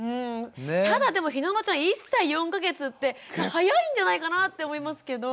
ただでもひなのちゃん１歳４か月って早いんじゃないかなって思いますけど。